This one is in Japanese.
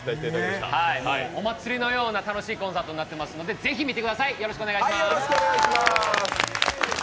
お祭りのような楽しいコンサートになっておりますのでぜひ見てください。